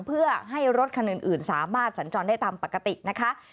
เพื่อให้รถคันอื่นสามารถสัญจรได้ตามปกตินะคะ